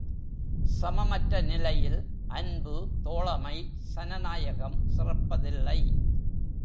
சமமற்ற நிலையில் அன்பு தோழமை, சன நாயகம் சிறப்பதில்லை.